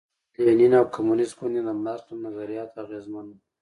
لینین او کمونېست ګوند یې د مارکس له نظریاتو اغېزمن و.